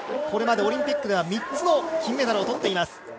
これまでオリンピックでは３つの金メダルを取っています。